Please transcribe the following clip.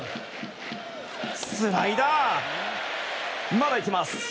まだいきます。